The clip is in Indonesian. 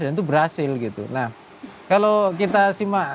dan itu berhasil gitu nah kalau kita simak